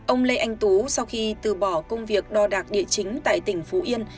ông lê anh tú sau khi từ bỏ công việc đo đạc địa chính tại tỉnh phú yên